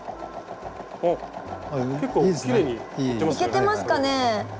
いけてますかね？